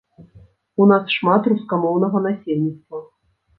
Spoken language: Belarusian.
У нас шмат рускамоўнага насельніцтва.